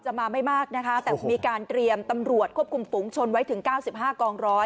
แต่ว่ามีการเตรียมตำรวจควบคุมปลุงชนไว้ถึง๙๕กองร้อย